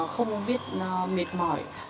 không biết mệt mỏi